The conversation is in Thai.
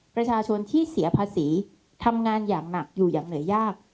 ประชาชนที่เสียภาษีทำงานอย่างหนักอยู่อย่างเหนื่อยยาก